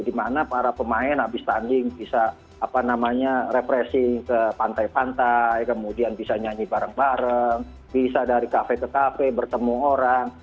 di mana para pemain habis tanding bisa refreshing ke pantai pantai kemudian bisa nyanyi bareng bareng bisa dari kafe ke kafe bertemu orang